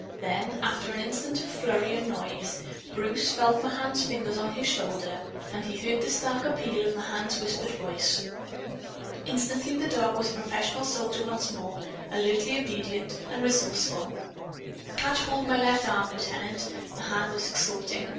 Then after an instant of flurry and noise, Bruce felt Mahan's fingers on his shoulder and heard the stark appeal of Mahan's whispered voice. Instantly the dog was a professional soldier once more alertly obedient and resourceful. "Catch hold my left arm, Lieutenant!" Mahan was exhorting.